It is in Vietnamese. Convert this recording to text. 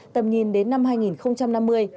tầm nhìn đến năm hai nghìn năm mươi